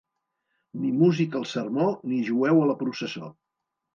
Ni músic al sermó, ni jueu a la processó.